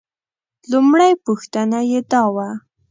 لومړۍ پوښتنه یې دا وه.